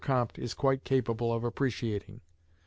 Comte is quite capable of appreciating.